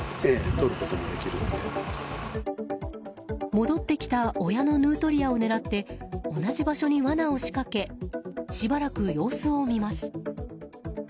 戻ってきた親のヌートリアを狙って同じ場所にわなを仕掛けしばらく様子を見ます。